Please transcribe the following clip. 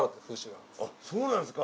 あっそうなんですか。